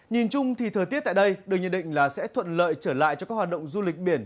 nhìn chung thì thời tiết tại đây được nhận định là sẽ thuận lợi trở lại cho các hoạt động du lịch biển